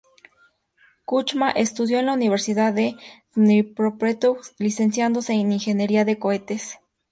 Kuchma estudió en la Universidad de Dnipropetrovsk licenciándose en Ingeniería de cohetes.